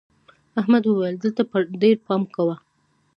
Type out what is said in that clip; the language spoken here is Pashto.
احمد وويل: دلته ډېر پام کوه.